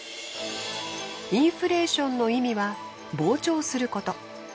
インフレーションの意味は膨張すること。